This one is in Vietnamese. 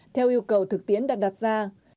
theo yêu cầu thực tiễn đã đặt ra